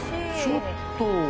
ちょっと！